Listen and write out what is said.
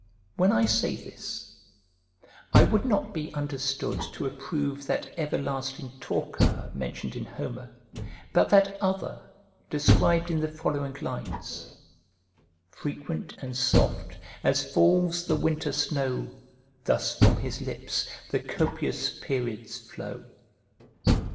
When I say this, I would not be understood to approve that everlasting talker mentioned in Homer, but that other' described in the following lines: "Frequent and soft, as falls the winter snow, Thus from his lips the copious periods flow."